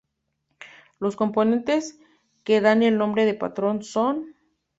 Los componentes, que dan el nombre al patrón, son:.